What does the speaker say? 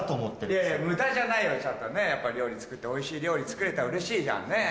いやいや無駄じゃないよちゃんと料理作っておいしい料理作れたらうれしいじゃんねぇ。